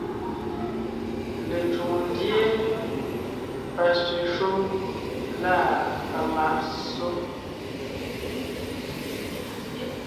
Lecwòŋo ndíe, pasẅɛ̀ shúm lâ pamàʼ ssó;